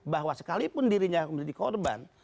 bahwa sekalipun dirinya menjadi korban